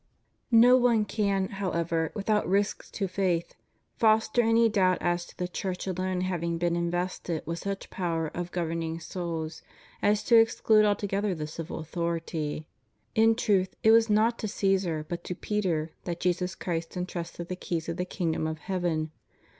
No one can, however, without risk to faith, foster any doubt as to the Church alone having been invested with such power of governing souls as to exclude altogether the civil authority. In truth it was not to Caesar but to Peter that Jesus Christ entrusted the keys of the kingdom of heaven.